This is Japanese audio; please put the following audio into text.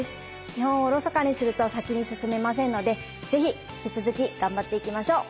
基本をおろそかにすると先に進めませんので是非引き続き頑張っていきましょう。